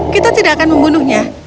kita tidak akan membunuhnya